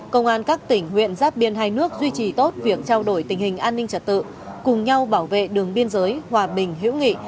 công an các tỉnh huyện giáp biên hai nước duy trì tốt việc trao đổi tình hình an ninh trật tự cùng nhau bảo vệ đường biên giới hòa bình hữu nghị